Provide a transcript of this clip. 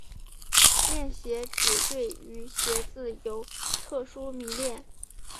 恋鞋指对于鞋子有特殊迷恋。